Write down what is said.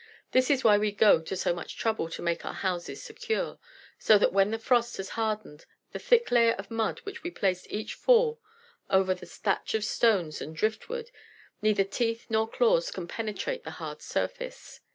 This is why we go to so much trouble to make our houses secure, so that when the frost has hardened the thick layer of mud which we place each fall over the thatch of stones and driftwood, neither teeth nor claws can penetrate the hard surface."